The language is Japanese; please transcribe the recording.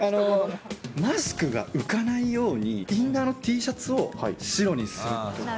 マスクが浮かないように、インナーのＴシャツを白にするとか。